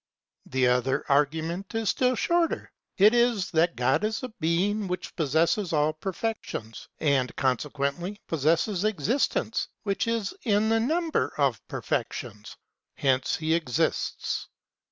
The other argument is still shorter. It is that God is a being which possesses all perfections and consequently possesses existence which is in the number of perfections ; hence he exists.